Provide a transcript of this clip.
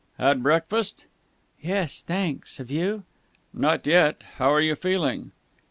"Had breakfast?" "Yes, thanks. Have you?" "Not yet. How are you feeling?"